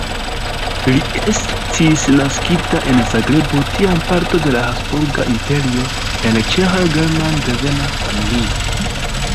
Li estis naskita en Zagrebo, tiam parto de la Habsburga Imperio, en Ĉeĥ-German-devena familio.